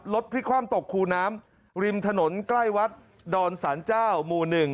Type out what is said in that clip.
พลิกความตกคูน้ำริมถนนใกล้วัดดอนสารเจ้าหมู่๑